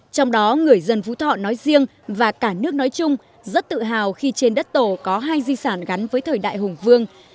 trong đó người dân phú thọ nói riêng và cả nước nói chung rất tự hào khi trên đất tổ có hai di sản gắn với thời đại hùng vương